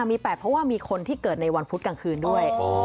มี๘เพราะว่ามีคนที่เกิดในวันพุธกลางคืนด้วย